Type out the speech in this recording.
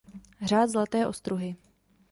Řád zlaté ostruhy.